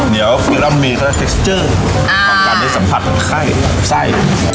เนี๋ยวเรามีแฟคเตอร์อ่ามีสัมผัสใข้ใส